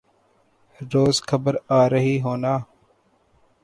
روز خبر آرہی ہونا